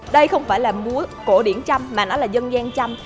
đây không phải là múa cổ điển trăm mà nó là dân gian chăm